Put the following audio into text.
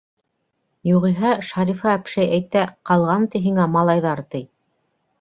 Юғиһә, Шарифа - әпшәй әйтә, - ҡалған, ти, һиңә малайҙар, ти.